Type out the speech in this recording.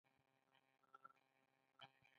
زه پوهېدم چې موږ د ستالینګراډ لویدیځ ته لېږي